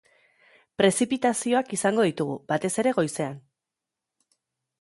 Prezipitazioak izango ditugu, batez ere goizean.